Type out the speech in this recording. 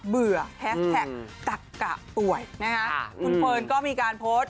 เบื่อแฮสแท็กตักกะป่วยนะคะคุณเฟิร์นก็มีการโพสต์